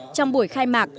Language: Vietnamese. trong buổi khai mạc